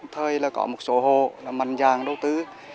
thời là có một số hồ là mạnh dàng đầu tư